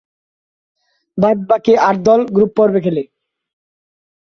বাদ-বাকী আট দল গ্রুপ-পর্বে খেলে।